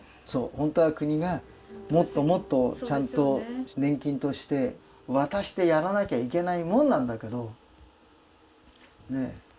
本当は国がもっともっとちゃんと年金として渡してやらなきゃいけないもんなんだけど。